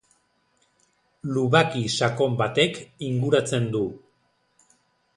Lubaki sakon batek inguratzen du.